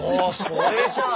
それじゃあ！